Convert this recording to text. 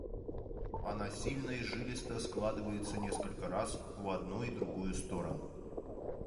Она сильно и жилисто складывается несколько раз в одну и в другую сторону.